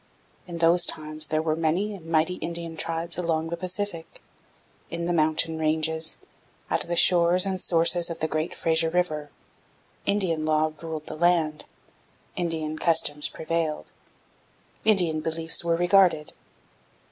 In those times there were many and mighty Indian tribes along the Pacific in the mountain ranges, at the shores and sources of the great Fraser River. Indian law ruled the land. Indian customs prevailed. Indian beliefs were regarded.